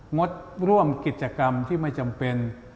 งดร่วมกิจกรรมที่ไม่จำเป็น